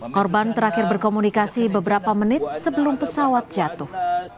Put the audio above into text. korban terakhir berkomunikasi beberapa menit sebelum pesawat jatuh